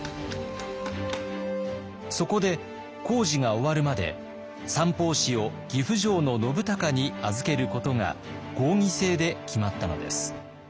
そこで工事が終わるまで三法師を岐阜城の信孝に預けることが合議制で決まったのです。